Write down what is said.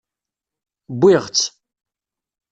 Wwiɣ-tt.